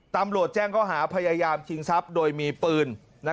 ตำรวจแจ้งเขาหาพยายามชิงทรัพย์โดยมีปืน